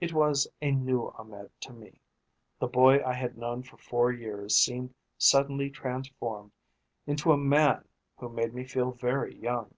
It was a new Ahmed to me; the boy I had known for four years seemed suddenly transformed into a man who made me feel very young.